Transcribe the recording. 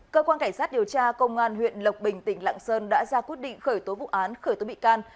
cơ quan cảnh sát điều tra công an huyện lộc bình tỉnh lạng sơn đã ra quyết định khởi tố vụ án khởi tố bị can